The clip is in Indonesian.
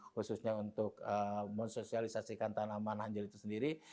khususnya untuk mensosialisasikan tanaman lahan jeli itu sendiri